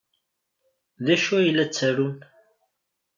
D acu ay la ttarun?